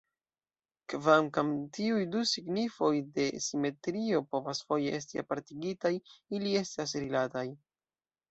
Kvankam tiuj du signifoj de "simetrio" povas foje esti apartigitaj, ili estas rilataj.